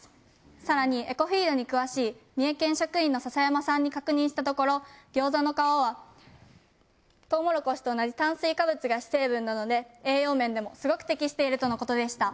更にエコフィードに詳しい三重県職員の笹山さんに確認したところ餃子の皮はトウモロコシと同じ炭水化物が主成分なので栄養面でもすごく適しているとのことでした。